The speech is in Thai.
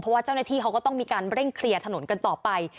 เพราะว่าเจ้าหน้าที่เขาก็ต้องมีการเร่งเคลียร์ถนนกันต่อไป